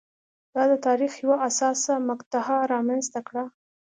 دا د تاریخ یوه حساسه مقطعه رامنځته کړه.